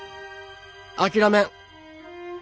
諦めん。